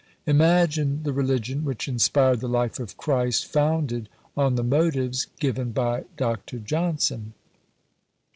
Imagine the religion which inspired the life of Christ "founded" on the motives given by Dr. Johnson!